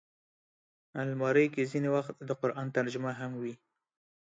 الماري کې ځینې وخت د قرآن ترجمه هم وي